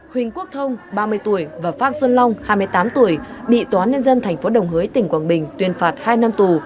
huỳnh quốc thông ba mươi tuổi và phát xuân long hai mươi tám tuổi bị tòa nhân dân tp đồng hới tỉnh quảng bình tuyên phạt hai năm tù